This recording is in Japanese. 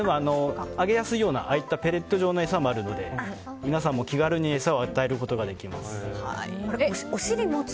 あげやすいようなペレット状の餌もあるので皆さんも気軽に餌を与えることができます。